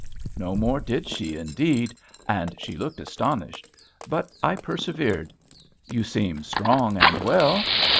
No more did she, indeed; and she looked astonished. But I persevered, "You seem strong and well."